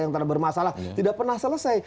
yang tidak bermasalah tidak pernah selesai